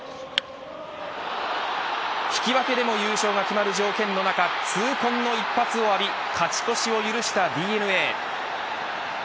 引き分けでも優勝が決まる条件の中痛恨の一発を浴び勝ち越しを許したＤｅＮＡ。